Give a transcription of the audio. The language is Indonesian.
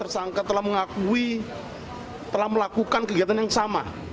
tersangka telah mengakui telah melakukan kegiatan yang sama